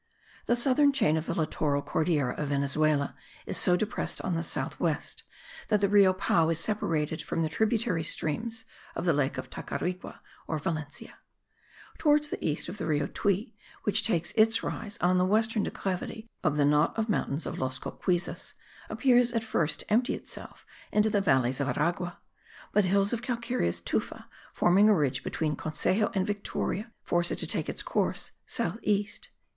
The southern chain of the litteral Cordillera of Venezuela is so depressed on the south west that the Rio Pao is separated from the tributary streams of the lake of Tacarigua or Valencia. Towards the east the Rio Tuy, which takes its rise on the western declivity of the knot of mountains of Las Cocuyzas, appears at first to empty itself into the valleys of Aragua; but hills of calcareous tufa, forming a ridge between Consejo and Victoria, force it to take its course south east.)